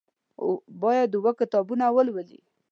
باید اووه کتابونه ولولي.